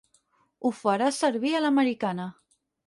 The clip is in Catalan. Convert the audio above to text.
Ho farà servir a l'americana.